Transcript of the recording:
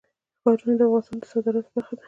ښارونه د افغانستان د صادراتو برخه ده.